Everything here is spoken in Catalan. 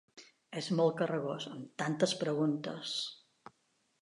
És molt carregós, amb tantes preguntes!